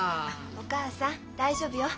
お母さん大丈夫よ。